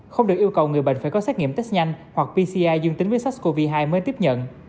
không được yêu cầu người bệnh phải có xét nghiệm test nhanh hoặc pci dương tính với sars cov hai mới tiếp nhận